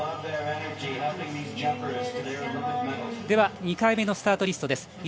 では２回目のスタートリストです。